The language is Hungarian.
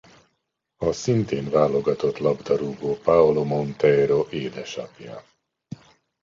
A szintén válogatott labdarúgó Paolo Montero édesapja.